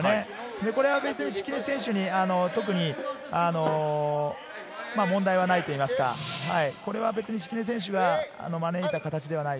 これは別に敷根選手に特に問題はないといいますか、これは別に敷根選手が招いた形ではない。